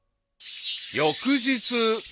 ［翌日］